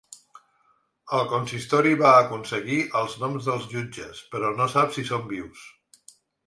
El consistori va aconseguir els noms dels jutges, però no sap si són vius.